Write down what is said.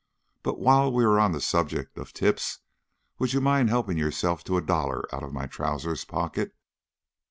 But while we are on the subject of tips, would you mind helping yourself to a dollar out of my trousers pocket?"